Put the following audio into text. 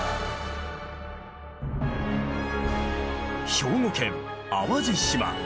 兵庫県淡路島。